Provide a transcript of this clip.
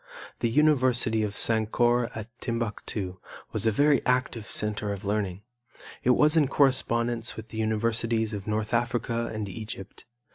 The university of Sankore at Timbuctu was a very active center of learning. It was in correspondence with the universities of North Africa and Egypt.